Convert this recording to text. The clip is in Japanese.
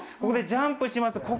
ここでジャンプします